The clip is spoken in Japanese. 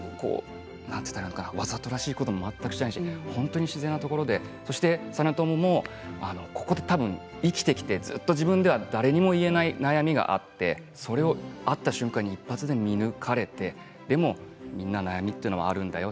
わざとらしいことも全くしないし本当に自然なところで実朝もずっと生きてきて誰にも言えない悩みがあってそれを会った瞬間に一発で見抜かれてでもみんな悩みはあるんだよ